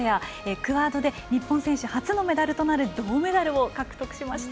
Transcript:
クアードで日本人選手初のメダルとなる銅メダルを獲得しました。